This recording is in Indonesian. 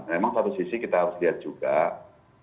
nah memang satu sisi kita harus lihat juga data data yang ada bahwa